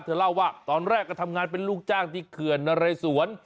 เล่าว่าตอนแรกก็ทำงานเป็นลูกจ้างที่เขื่อนนะเรสวน